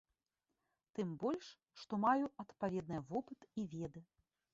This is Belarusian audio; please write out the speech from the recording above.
Тым больш, што маю адпаведныя вопыт і веды.